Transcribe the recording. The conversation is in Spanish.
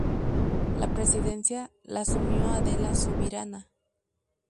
La presidencia la asumió Adela Subirana.